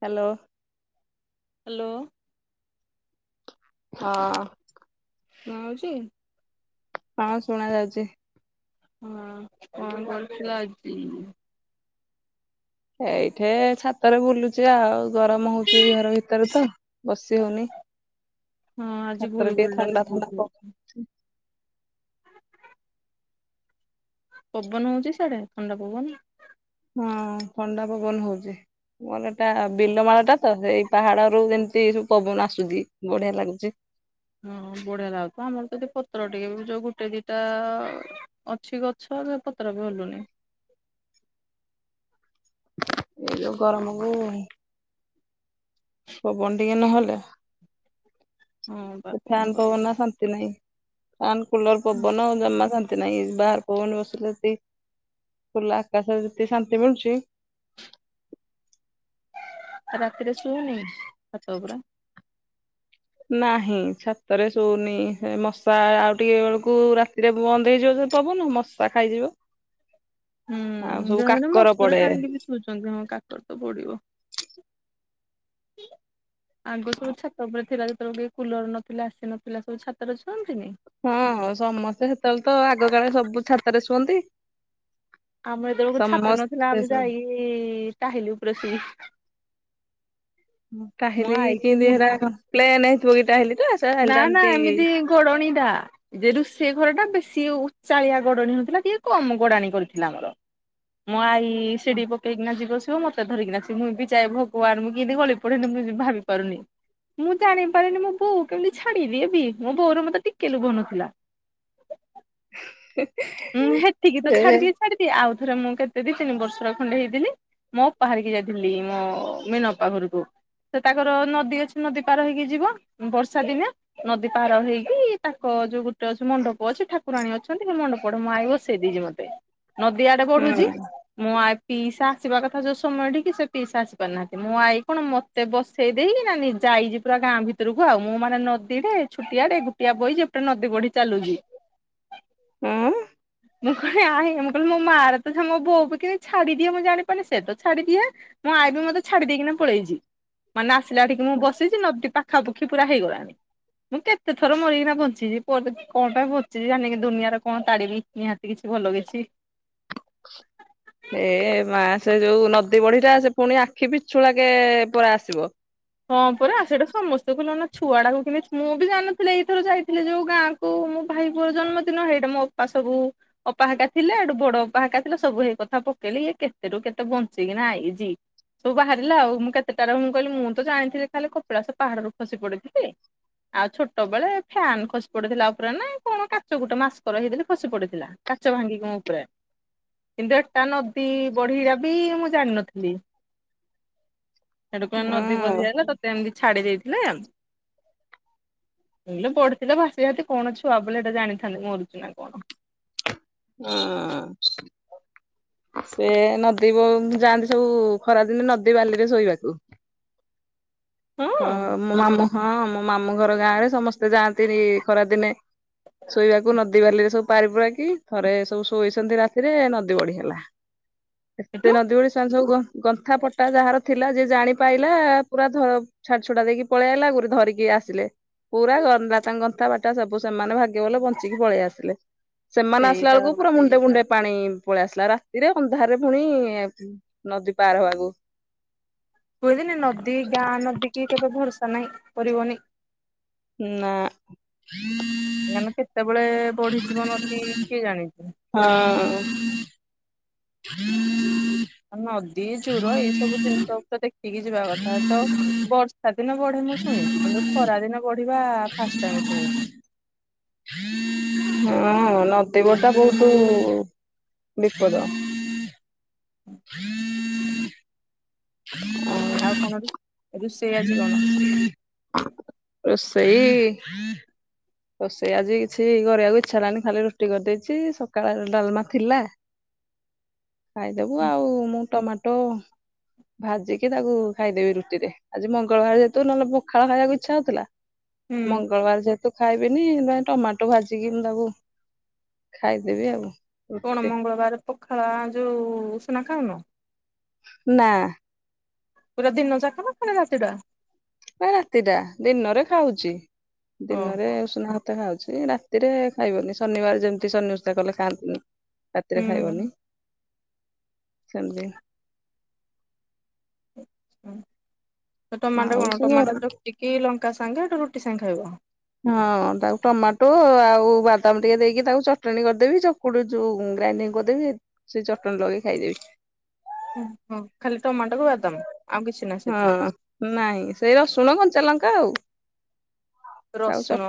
Hello. Hello. [inaudible] ହଁ। ଶୁଣା ହଉଛି? ହଁ ଶୁଣା ଯାଉଛି। ହଁ କଣ କରୁଥିଲ ଆଜି? ଏଇଠି ଛାତରେ ବୁଲୁଛି ଆଉ। ଗରମ ହଉଛି ଘର ଭିତରେ ତ ବସି ହଉନି ହଁ ଆଜି ଛାତରେ ଟିକେ ଗୁଳିଗୁଳି ଟା ବି ଥଣ୍ଡା ବହୁତ ଥଣ୍ଡା ପ ହଉଛି। ପବନ ହଉଛି ସିଆଡେ ଥଣ୍ଡା ପବନ? ହଁ ଥଣ୍ଡା ପବନ ହଉଛି ମୋର ଏଟା ବିଲମାଳ ଟା ତ ସେଇ ପାହାଡ ରୁ ଯେମିତି ସବୁ ପବନ ଆସୁଛି ବଢିଆ ଲାଗୁଛି। ହଁ ବଢିଆ ଲାଗୁଥ ଆମର ଯଦି ପତ୍ର ଟିକେ ବି ଯୋଉ ଗୋଟେ ଦିଟା ଅଛି ଗଛ ସେ ପତ୍ର ବି ହଲୁନି। [inaudible] ଏଇ ଯୋ ଗରମକୁ ପବନଟିକେ ନହଲେ ହଁ ବା [inaudible] କଣ ଫ୍ୟାନ କରିବି ପବନ ଶାନ୍ତି ନାହିଁ। ପ୍ୟାନ କୁଲର ପବନ ଜମା ଶାନ୍ତି ନାଇଁ ବାହାର ପବନ ବସିଲେ ଖୁଲା ଆକାଶରେ ଯେତେ ଶାନ୍ତି ମିଳୁଚି [inaudible] ରାତିରେ ଶୁଉନି ଛାତ ଉପରେ? ନାହିଁ ଛାତରେ ଶୋଉନି ମଶା ଆଉ ଟିକେ ବେଳକୁ ରାତିରେ ବନ୍ଦ ହେଇଯିବ ସେ ପବନ ମଶା ଖାଇଯିବ। ହୁଁ ଆଉ ସବୁ ଜଣେ ଜଣେ କାକର ମଶୁରି ପଡେ ଟାଣିକି ବି ସୁଉଛନ୍ତି ହଁ କାକର ତ ପଡିବ। [inaudible] ଆଗ ସବୁ ଛାତ ଉପରେ ଥିଲା ଯେତେବେଳେ କୁଲର ନଥିଲାଏସି ନଥିଲା ସବୁ ଛାତରେ ଛୁଅନ୍ତିନି? ହୁଁ ସମସ୍ତେ ସେତେବେଳେ ତ ଆଗ କାଳେ ସବୁ ଛାତରେ ଶୁଅନ୍ତି। [inaudible] ଆମର ଯେତେବେଳକୁ ଛାତ ନଥିଲା ସମସ୍ତେ ଆମେ ସବୁ ଯାଇ ଟାହିଲି ଉପରେ ଶୋଉ। ମୁଁ ମୋ କହିଲି ଆଇକି କିଇନ୍ତି ମୁଁ ହେରା ପ୍ଲେନ। [unintelligible] ନା ନା ଏମିତି ଘୋଡଣୀଟା ଏ ଯେ ରୁଷ ସେ ଘର ଟା ବେଶୀ ଉଚାଳିଆ ଗଡାଣ ନଥିଲା ଟିକେ କମ ଗୋଡାଣି କରିଥିଲା ଆମର ମୋ ଆଇ କି ସିଡି ପକେଇକିନା ଯିବ ତୁ ମତେ ଧରିକିନା ମୁଁ ବି ଯା ଭଗବାନ ମୁଁ କେମତି ଗଳି ପଡନି ମୁଁ ଭାବି ପାରୁନି ମୁଁ ଜାଣିପାରିନି ମୁଁ ବହୁ କେମିତି ଛାଡିବି ଏ ବି ମୋ ବୋଉର ମତେ ଟିକେ ଲୋଭ ନଥିଲା। [unintelligible] ହୁଁ ହେତିକି ତ ସେ ଛାଡିଦିଏ ଛାଡିଦିଏ ଆଉ। ରେ ମୁଁ କେତେ ଦି ତିନି ବର୍ଷର ଖଣ୍ଡେ ହେଇଥିଲି ମୋ ଅପା ବାହାରିକି ଯାଇଥିଲି ମୋ ମୀନ ପା ଘରକୁ ସେ ତାଙ୍କର ନଦୀ ଅଛି ନଦୀ ପାର ହେଇକି ଯିବ ବର୍ଷା ଦିନେ ନଦୀ ପାର ହେଇକି ତାଙ୍କ ଯୋଉ ଗୋଟେ ଅଛି ମଣ୍ଡପ ଅଛି ଠାକୁରାଣୀ ଅଛନ୍ତି ସେ ମଣ୍ଡପ [unintelligible] ନଦୀଆଡେ ବଢୁଛି ହୁଁ ମୁଁ ଆ ପିଇସା ଆସିବା କଥା ଯୋଉ ସମୟ ଟିକ କି ସେ ପିଇସା ଆସି ପାରୁନାହାନ୍ତି ମୁଁ ଆଇ କଣ ମତେ ବସେଇ ଦେଇକି ନା ଯାଇଛି ପୁରା ଗାଁ ଭିତରକୁ ଆଉ ମୁଁ ମାନେ ନଦୀଡେ ଛୁଟିଆଡେ ଗୁଟିଆ ବହି ଯେ ଏପଟେ ନଦୀ ବଢି ଚାଲୁଛି। ଆଁ ମୁଁ କହ ଆ ମୁଁ କହିଲି ମୋ ମା ର ତ ମୋ ବୋଉ ବି କିି ଛାଡି ଦିଏ ମୁଁ ଜାଣି ପାରୁନି ସେ ତ ଛାଡିଦିଏ ମୋ ଆଇ ବି ମତେ ଛାଡି ଦେଇକିନା ପଳେଇଛି। ମାନେ ଆସିଲା ଆଠିକି ମୁଁ ବସିଛି ନଦି ପାଖ ପାଖାପକ୍ଷି ପୁରା ହେଇଗଲାଣି ମୁଁ କେତେ ଥର ମରିକିନା ବଞ୍ଚିଛି କଣ ପାଇଁ ବଞ୍ଚିଛି ମୁଁ ଜାଣିକି ଦୁନିଆର କଣ ତାରିବି ନିହାତି କିଛି ଭଲ କିଛି। ଏ ମା ସେ ଯୋଉ ନଦୀ ବଢିଟା ସେ ପୁଣି ଆଖି ପିଛୁଳା କେ ପଳେଇ ଆସିବ। ହଁ ପରା ସେଟା ସମସ୍ତଙ୍କୁ ଜଣା। ଛୁଆଡା କ କିମ ମୁଁ ବି ଜାଣିନଥିଲି ଏଇଥର ଯାଇଥିଲି ଯୋଉ ଗାଁ କୁ ମୋ ଭାଇ ପୋଅର ଜନ୍ମଦିନ ହେଇଟା ମୋ ଅପା ସୁ ଅପାହାକା ଥିଲା ଏଠୁ ବଡ ଅପାହାକା ଥିଲା ସବୁ ହେଇ କଥା ପକେଇଲି ଇଏ କେତେ ରୁ କେତେ ବଞ୍ଚିକିନା ଏଇଜି ସବୁ ବାହାରିଲା ଆଉ ମୁଁ କେତେଟାରେ ମୁଁ କହିଲି ମୁଁ ତ ଜାଣିଥିଲି ଖାଲି କପିଳାସ ପାହାଡରୁ ଖସି ପଡିଥିଲି ଆଉ ଛୋଟ ବେଳେ ଫ୍ୟାନ ଖସି ପଡିଥିଲା ଉପରେ ନା କଣ କାଚ ଗୋଟେ ମାସ୍କର ହେଇଦଲି ଖସି ପଡିଥିଲା କାଚ ଭାଙ୍ଗିକି ମୋ ଉପରେ କିନ୍ତୁ ଏଟା ନଦୀ ବଢେଇ ବି ମୁଁ ଜାଣିିନଥିଲି। ହେଟୁ କଣ ହୁଁ ସେ ବସିକି ଆଇଲା, ତତେ ଏମିତି ଛାଡି ଦେଇିଛି। ହେଲା, ହେଲା ପଢିଥିଲା ଭାସି ଭାସି, କଣ ଛୁଆ ବୋଲି ଏଇଟା ଜାଣିଥାନ୍ତି, ମାରୁଛି ନା କଣ? ହଁ ସେ ନଦୀ ବ ଯାଆନ୍ତି ସବୁ, ଖରାଦିନେ ନଦୀ ବାଲିରେ ଶୋଇବାକୁ। ହଁ ମୋ ମାମୁଁ। ହଁ ମ ମାମୁଁ ଘର ଗାଁ ରେ ସମସ୍ତେ ଯାଆନ୍ତି ଖରା ଦିନେ ଶୋଇବାକୁ ନଦୀ ବାଲିରେ ସବୁ ପାରି ପୁରାକି ଥରେ ସବୁ ଶୋଇଛନ୍ତି ରାତିରେ ନଦୀ ବଢି ହେଲା। ଏତେ ସେଠୁ ନଦୀ ବଢ଼ି ସେମାନେ ସବୁ କହ ଗନ୍ଥା ପଟା ଯାହାର ଥିଲା, ଯେ ଜାଣି ପାଇଲା ପୁରା ଧ ଛାଡି ଛୁଡା ଦେଇକି ପଳେଇ ଆଇଲା ରୁ ଧରିକି ଆସିଲେ ପୁରା ଗଲା ତାଙ୍କ ଗନ୍ଥା ପଟା ସବୁ ସେମାନେ ଭାଗ୍। ସେ ଭଲ ବଞ୍ଚିକି ପଳେଇ ଆସିଲେ, ସେମାନେ ଆସିଲା ସେଇଟା ବେଳକୁ ପୁରା ମୁଣ୍ଡେ ମୁୁଣ୍ଡେ ପାଣି ପଳେଇ ଆସିଲା ରାତିରେ ଅନ୍ଧାରରେ ପୁଣି ନଦୀ ପାର ହବାକୁ। କୁହନ୍ତିନି ନଦୀ ଗାଁ ନଦୀ। କିଏ କେବେ ଭରସା । ନାଇଁ କରିବନି। ନା। ଏମାନେ କେତେବେଳେ ବଢିଯିବ ନଦୀ। କିଏ ଜାଣିଛି? ହଁ। ନଦୀ, ଜୁର ଏଇ ସବୁ ଜିନିଷ ତ ଦେଖିକି ଯିବା କଥା ତ ବର୍ଷା ଦିନ ବଢେ ମୁଁ ଶୁଣିଛି, କିନ୍ତୁ ଖରା ଦିନ ବଢିବା ଫାଷ୍ଟ ଟାଇମ ଶୁଣିୁଛି। ହଁ ନଦି ବଟା ବହୁତ ବିପଦ। ହୁଁ ହୁଁ ଆଉ କଣରୁ? ରୁଷେଇ ଆଜି କଣ? ରୋଷଇ ରୋଷଇ ଆଜି କିଛି କରିବାକୁ ଇଚ୍ଛା ହେଲାନି, ଖାଲି ରୁଟି କରିଦେଇଛି, ସକାଳେ ଡାଲମା ଥିଲା। ଖାଇଦବୁ ଆଉ, ମୁଁ ଟମାଟୋ ଭାଜିକି ତାକୁ ଖାଇଦେବି ରୁଟିରେ, ଆଜି ମଙ୍ଗଳବାର ଯେହେତୁ, ନହେଲେ ପଖାଳ ଖାଇବାକୁ ଇଚ୍ଛା ହଉଥିଲା। ହୁଁ ମଙ୍ଗଳବାର ଯେହେତୁ। ଖାଇବିନି ଯାଇ, ଟମାଟୋ ଭାଜିକି ତାକୁ, ଖାଇଦେବି ଆଉ। କଣ, ରୁଟିରେ ମଙ୍ଗଳବାର ପଖାଳ ଯୋଉ ଉଷୁନା। ଖାଉନ। ନା ପୁରା ଦିନ ଯାକ ନା ପୁଣି ରାତିଟା? ନାଇଁ ରାତି ଟା ଦିନରେ ଖାଉଛି। ଦିନରେ ଓହୋ ଉଷୁନା ଭାତ ଖାଉଛି। ସେ ରାତିରେ ଖାଇବନି ଶନିବାର ଯେମିତି ଶନି ଓଷା କଲେ ଖାଆନ୍ତିନି। ରାତିରେ ଖାଇବନି। ସବଜୁ [inaudible] ହୁଁ। ତ ଟମାଟର କଣ ସେ ଘର ଟମାଟ ଚକଟିକି ଲଙ୍କା। ସାଙ୍ଗେ ରୁଟି ସାଙ୍ଗେ ଖାଇବ। ହଁ ତାକୁ ଟମାଟୋ ଆଉ ବାଦାମ ଟିକେ ଦେଇକି ତାକୁ ଚଟଣି କରିଦେବି ଚକୁଡ଼ି ଯୋଉ ଗ୍ରାଇଣ୍ଡିଙ୍ଗ କରିଦେବି ସେ ଚଟଣିୀ ଲଗେଇ ଖାଇଦେବି। ହଁ ହୁଁ ଖାଲି ଟମାଟକୁ ବଦାମ। ହଁ ନାଇଁ ସେଇ ରସୁଣ କଞ୍ଚା ଲଙ୍କା। କଉ [inaudible] ରସୁଣ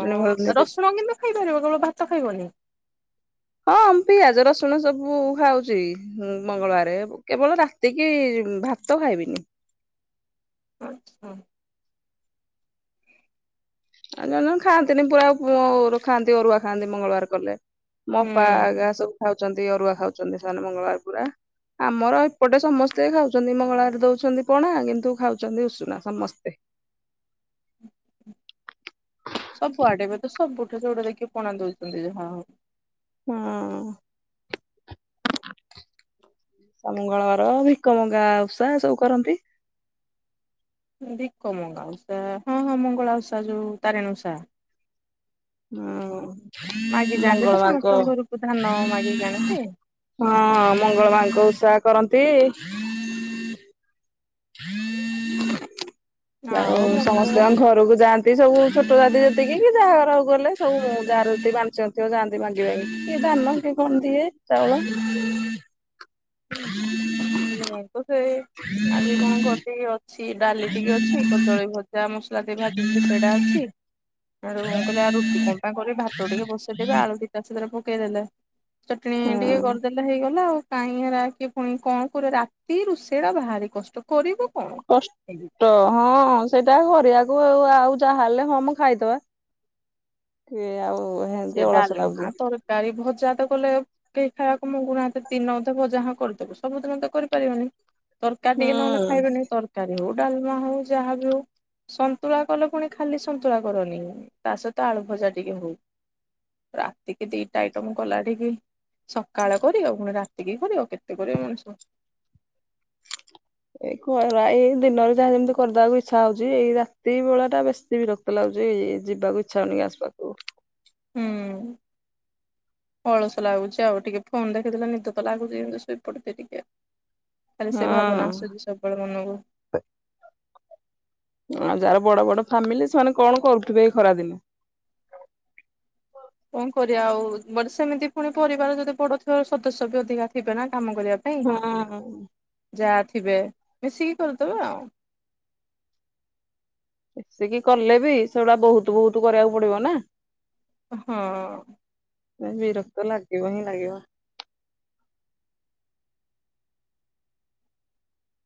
ରସୁଣ କିନ୍ତୁ ଖାଇପାରିବ କେବଳ ଭାତ ଖାଇବନି। ହଁ ପିଆଜ ରସୁଣ ସବୁ ଖାଉଛି ମଙ୍ଗଳବାରେ କେବଳ ରାତି କିି ଭାତ ଖାଇବିନି। ଆଚ୍ଛା। ଆଉ ଜଣେ ଜଣେ ଖାଆନ୍ତିନି ପୁରା ଖାଆନ୍ତି ଅରୁଆ ଖାଆନ୍ତି ମଙ୍ଗଳବାର କଲେ। ହୁଁ। ମୋପା ଗା ସବୁ ଖାଉ [inaudible] ାଉ ଅରୁଆ ଖାଉଛନ୍ତି ସେମାନେ ମଙ୍ଗଳବାର ପୁରା ଆମର ଏପଟେ ସମସ୍ତେ ଖାଉଛନ୍ତି ମଙ୍ଗଳବାର ଦଉଛନ୍ତି ପଣା କିନ୍ତୁ ଖାଉଛନ୍ତି ଉଷୁନା ସମସ୍ତେ। ସବୁ ଆଡେ ତ ସବୁଠୁ ଯୋଉଟା ଦେଖି। ପଣା ଦଉଛନ୍ତି ଯେ ହଁ। ହଁ। ମଙ୍ଗଳବାର ଭିକମଙ୍ଗା ଉଷା ସବୁ କରନ୍ତି। ଦିକ ମଙ୍ଗାଓଷା ହଁ ହଁ ମଙ୍ଗଳା ଉଷା ଯୋଉ ତାରୀଣି ଓଷା। ହଁ ମାଗି ଯାଆନ୍ତି ମଙ୍ଗଳା ତ ମାଙ୍କ ସମସ୍ତଙ୍କ ଘରକୁ ଧାନ ମାଗିକି ହଁ ଆଣନ୍ତି ମଙ୍ଗଳା ମାଙ୍କ ଓଷା କରନ୍ତି। [unintelligible] ହୁଁ [unintelligible] ଆଉ ମୁଁ ତ ସମସ୍ତେଙ୍କ ଘରକୁ ଯାଆନ୍ତି। ସେ ସବୁ ଛୋଟ ଦାତି ଯେତିକି ଯାହାଘରକୁ ଗଲେ ସବୁ ଯାରେ ବାଧିଛନ୍ତି ଆଉ ଯାଆନ୍ତି ବାଧିବା କିଏ ଧାନ କିଏ କଣ ଦଏ ଚାଉଳ [inaudible] ହୁଁ ହୁଁ । ଆଜି କଣ କରିଦ କି ଅ [inaudible] ସେ ଡାଲି ଟିକେ ଅଛି କଦଳୀ ଭଜା ଆମ। ଭାଜିଥିଲି ସେଇଟା ଅଛି। ଆଉ କଣ କହିଲି ଆ ରୁଟି କଣ ପାଇଁ କରିବି ଭାତ ଟିକେ ବସେଇଦବେ ଆଳୁ ଦିଟା ସେଥିରେ। ଲେ [inaudible] ଚଟଣି ଟିକେ ହୁଁ କରିଦେଲେ ହେଇଗଲା ଆଉ। କାହିଁ କିଏ ପୁଣି କଣ କର ରାତି ରୋଷେଇ ଟା ବାହାରି କଷ୍ଟ କରିବୁ। କଣ କ ଷ୍ଟ ହଁ ସେଇଟା କରିବାକୁ ଆଉ। ଆଉ ଯାହା ହେଲେ ହମ ଖାଇଦବା କି ଆଉ। ହେନ୍ତି ସେ ଅଳସ ଲାଗୁଛି ଡାଲମା ତରକାରୀ ଭ ବଜା ତ କଲେ କେହି ଖାଇବାକୁ ମୁଗୁନାହାନ୍ତୀ ଦିନ ଦେବଜା ହଁ କରିଦବ ସବୁଦିନ ତ କରିପାରିବନି। ତରକାରୀ ହୁଁ। ଟିକେ ନହେଲେ ଖାଇବେନି ତରକାରୀ ହଉ। ଡାଲମା ହଉ ଯାହାବି ହଉ ସନ୍ତୁଳା କଲେ ପୁଣି ଖାଲି ସନ୍ତୁଳା କରନି ତା ସହିତ ଆଳୁ ଭଜା ଟିକେ ହଉ। ରାତିକି ଦିଟା ଆଇଟମ ଗଲାଠିକି ସକାଳେ କର ଆଉ ପୁଣି ରାତିକି କରିବା ଆଉ କେତେ କରିବ ମଣିଷ। ଏଇ ଏଇ ଦିନରେ ଯାହା ଯେମିତି କରିଦକୁ ଇଚ୍ଛା ହଉଛି ଏଇ ରାତି ବେଳା ଟା ବେଶୀ ବି ରକ୍ତ ଲାଗୁଛି ଏଇ ଯିବାକୁ ଇଚ୍ଛା ହଉନି ଆସିବାକୁ ହୁଁ ଅଳସ ଲାଗୁଛି ଆଉ ଟିକେ ଫୋନ ଦେଖିଦେଲେ ନିଦ ତ ଲାଗୁଛି ଯେମିତି ଶୋଇପଡଛି ଟିକେ ଖାଲି ହଁ ସେ ଭାବନା ଆସୁଛି ସବୁବେଳେ ମନକୁ ଆ ଯାହାର ବଡ ବଡ ଫ୍ୟାମିଲି ସେମାନେ କଣ କରୁଥିବେ ଏଇ ଖରାଦିନେ କଣ କରିବା ଆଉ ମୋଟେ ସେମିତି ପୁଣି ପରିବାର ଯଦି ବଡ ଥିବାର ସଦସ୍ୟ ବି ଅଧିକା ଥେ ନା କାମ କରିବା ପାଇଁ ହଁ ଯାହା ବେ ମିଶିକି କରିଦବା ଆଉ। ଏସିକି କଲେ ବି ସେଗୁଡା ବହୁତ ବହୁତ କରିବାକୁ ପଡିବ ନା। ହଁ। ବିରକ୍ତ ଲାଗିବ ହିଁ ଲାଗିବ।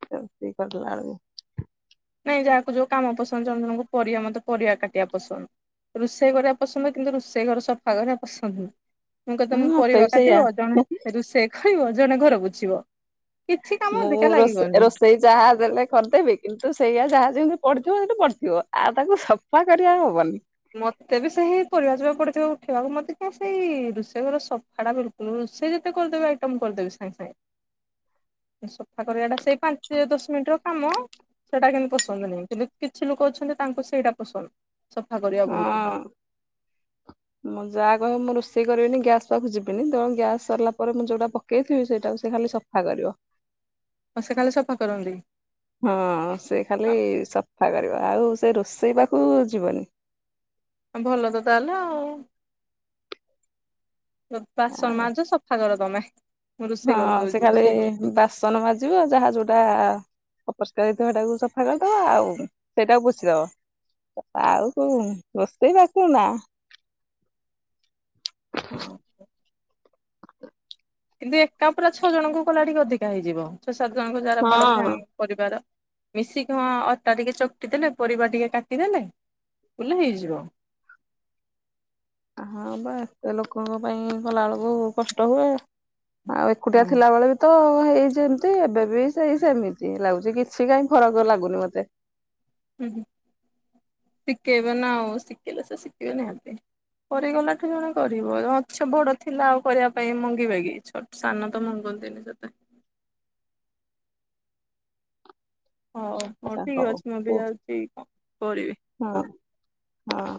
ସତି କରଲାଳ ନାଇଁ ଯାହାକୁ ଯୋଉ କାମ ପସନ୍ଦମକୁ ପରିବା ମତେ ପରିବା କାଟିବା ପସନ୍ଦ ରୋଷେଇ କରିବା ପସନ୍ଦ କିନ୍ତୁ ରୋଷେଇ ଘର ସଫା କରିବା ପସନ୍ଦ ନୁହଁ। ମୁୁ କ ହଁ ତମ ମତେ ପରିବା ବି ସେଇଆ। କାଟିବ ଜଣେ ରୁଷେକ ଖଳିବ ଜଣେ ଘରକୁ ଯିବ। ମୁଁ ରୋଷେଇ ଯାହା ଦେଲେ ଖଦେବି କିନ୍ତୁ ସେଇଆା ଯାହା ଯେମିତି ପଢିଥିବ ସେଇି ପଢ଼ଥିବ ଆଉ ତାକୁ ସଫା କରିବା ହବନି। ମତେ ବି ସେଇ ପରିବା ଯିବା ପଡିଥିବା ଉଠେଇିବାକୁ ମତେ ସେଇ ରୋଷେଇ ଘର ସଫା ଟା ବିଲକୁଲ ରୋଷେଇ ଯେତେ କରିଦେବ ଆଇଟମ କରିଦେବି ସାଙ୍ଗେ ସାଙ୍ଗେ ସଫା କରିବାଟା ସେଇ ପାଞ୍ଚ ଦଶ ମିନିଟ ର କାମ ସେଟା କିନ୍ତୁ ପସନ୍ଦ ନାହିଁ କିନ୍ତୁ କିଛି ଲୋକ ଅଛନ୍ତି ତାଙ୍କୁ ସେଇଟା ପସନ୍ଦ କରିବା ହଁ ବହୁତ ମୋ ଯା କହିବ ମୋ ରୋଷ ସେ କରିବିନି ଗ୍ୟାସ ପାଖକୁ ଯିବିନି ତେଣୁ ଗ୍ୟାସ ସରିଲା ପରେ ମୁଁ ଯୋଉଟା ପକେଇଥିବି ସେଇଟାକୁ ସେ ଖାଲି ସଫା କରିବ। ମ ସେ ଖାଲି ସଫା କରନ୍ତି। ହଁ ସେ ଖାଲି ସଫା କରିବ ଆଉ ସେ ରୋଷେଇ ପାଖକୁ ଯିବନି। ଭଲ ତ ତାହେଲେ ଆଉ ବାସନ ମାଜ ସଫା କର ତମେ ମୁଁ ହଁ ରୋଷେଇ ସେ କରିଦଉଛି ଖାଲି ବାସନ ମାଜିବ ଯାହା ଯୋଉଟା ଅପରିଷ୍କାର ହେଇଥିବ ହେଇଟାକୁ ସଫା କରିଦବ ଆଉ ସେଇଟାକୁ ପୋଛି ଦବ ଆଉ କଉ ରୋଷେଇବାସ ନା ହଁ କିନ୍ତୁ ଏକା ପୁରା ଛଅ ଜଣଙ୍କୁ କଲା ଟିକେ ଅଧିକା ହେଇଯିବ। ଛଅ ସାତ ଜଣଙ୍କୁ ଯାର ବଡ ହଁ। ଫ୍ୟାମ ପରିବାର ମିଶି କଣ ଅଟା ଟିକେ ଚକଟି ଦେଲେ ପରିବା ଟିକେ କାଟିଦେଲେ ବୁଲେ ହେଇଯିବ। ହଁ ବା ଏତେ ଲୋକଙ୍କ ପାଇଁ କଲା ବେଳକୁ କଷ୍ଟ ହୁଏ। ଆଉ ଏକୁଟିଆ ହଁ। ଥିଲାବେଳେ ବି ତ ସେଇ ଯେମିତି ଏବେ ବି ସେଇ ସେମିତି ଲାଗୁଛି କିଛି କାହିଁ ଫରକ ଲାଗୁନି ମତେ ହୁଁ ହୁ ଶିଖେଇବେ ନା ଆଉ ଶିଖେଇଲେ ସେ ଶିଖିବେ ନିହାତି କରିଗଲାଠୁ ଜଣେ କରିବ ମାଛ ବଡ ଥିଲା ଆଉ କରିବା ପାଇଁ ମଙ୍ଗିବେ କି ଛ ସାନ ତ ମଗନ୍ତିନି ସେତେ ହଉ ହଉ ଠିକ ଅଛି ମୁଁ ବି ଯାଉଛି କରିବି। ହଁ।